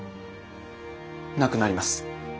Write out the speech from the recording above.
なくなります。